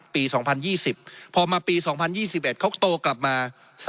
๒๐๒๐พอมาปี๒๐๒๑เขาโตกลับมา